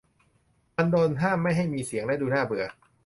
มันโดนห้ามไม่ให้มีเสียงและดูน่าเบื่อ